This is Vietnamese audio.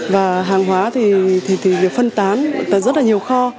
và hàng hóa thì được phân tán ở rất là nhiều kho